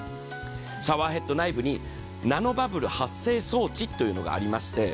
シャワーヘッド内部にナノバブル発生装置というのがありまして